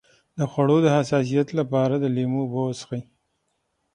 د خوړو د حساسیت لپاره د لیمو اوبه وڅښئ